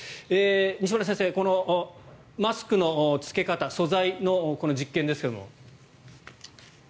西村先生、マスクの着け方素材の実験ですけれども。